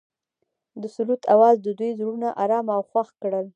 د سرود اواز د دوی زړونه ارامه او خوښ کړل.